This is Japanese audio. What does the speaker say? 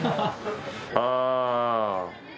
ああ。